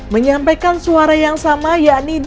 menyampaikan suara yang sama yakni